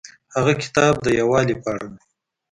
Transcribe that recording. هغه کتاب د یووالي په اړه و.